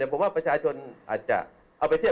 ผมว่าประชาชนอาจจะเอาไปเที่ยว